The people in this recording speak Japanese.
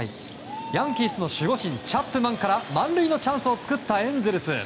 ヤンキースの守護神チャップマンから満塁のチャンスを作ったエンゼルス。